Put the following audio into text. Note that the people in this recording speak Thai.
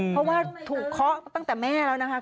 เพราะว่าถูกเคาะตั้งแต่แม่แล้วนะคะ